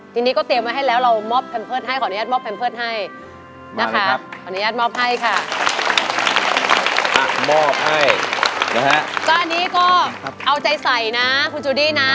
ทีนี้ก็เตรียมไว้ให้แล้วเรามอบแพมเพิร์ตให้ขออนุญาตมอบแพมเพิร์ตให้